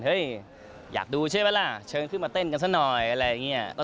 เฮ้ยอยากดูใช่ไหมแหละเชิญขึ้นมาเต้นกันสักหน่อย